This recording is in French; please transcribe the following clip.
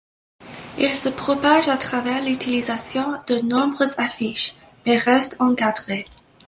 Il se propage à travers l'utilisation de nombreuses affiches, mais reste encadré.